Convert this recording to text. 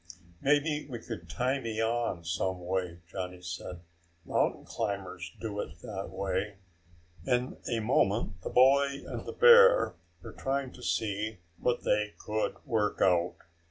"Maybe we could tie me on some way," Johnny said. "Mountain climbers do it that way." In a moment the boy and the bear were trying to see what they could work out.